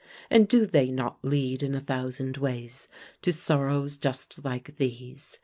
And do they not lead in a thousand ways to sorrows just like these?